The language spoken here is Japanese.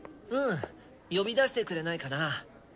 うん呼び出してくれないかな？